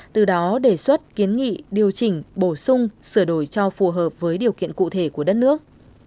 từ đó đề xuất kiến nghị điều chỉnh bổ sung sửa đổi cho phù hợp với điều kiện cụ thể của đất nước